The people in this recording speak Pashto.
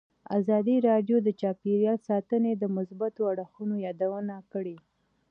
ازادي راډیو د چاپیریال ساتنه د مثبتو اړخونو یادونه کړې.